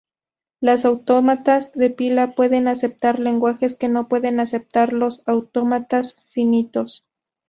Los autómatas de pila pueden aceptar lenguajes que no pueden aceptar los autómatas finitos.